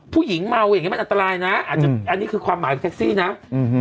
ผู้หญิงเมาอย่างนี้มันอันตรายนะอาจจะอันนี้คือความหมายของแท็กซี่นะอืม